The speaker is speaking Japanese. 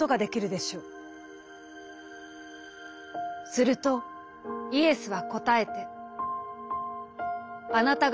「するとイエスは答えて」。